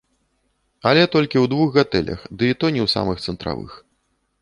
Але толькі ў двух гатэлях, ды і то не ў самых цэнтравых.